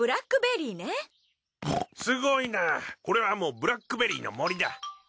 ブーすごいなこれはもうブラックベリーの森だ。